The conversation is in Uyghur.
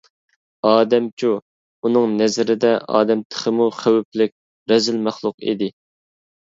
ئادەمچۇ؟ ئۇنىڭ نەزىرىدە، ئادەم تېخىمۇ خەۋپلىك، رەزىل مەخلۇق ئىدى.